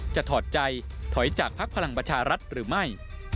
ถอดใจถอยจากพักพลังประชารัฐหรือไม่